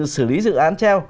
xử lý dự án treo